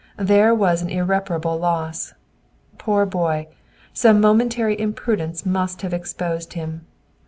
there was an irreparable loss! Poor boy! Some momentary imprudence must have exposed him.